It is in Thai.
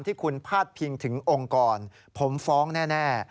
ที่คุณพาดพิงถึงองค์กรผมฟ้องแน่